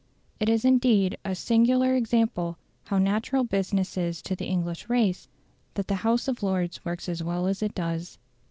It is indeed a singular example how natural business is to the English race, that the House of Lords works as well as it does.